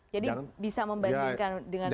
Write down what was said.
jadi bisa membandingkan dengan undang undang mana saja